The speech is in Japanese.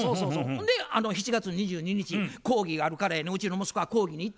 ほんで７月２２日講義があるからやねうちの息子は講義に行ったんや大学の。